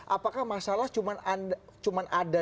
apakah masalah cuma ada